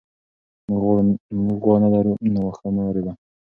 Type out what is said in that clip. موږ غوا نه لرو نو واښه مه رېبه.